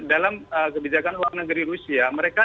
dalam kebijakan warna giri rusia mereka